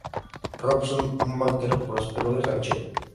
Robson, un banquero próspero y ranchero.